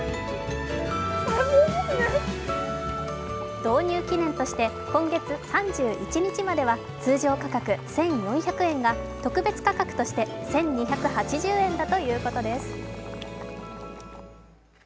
導入記念として今月３１日までは通常価格１４００円が特別価格として１２８０円だということです。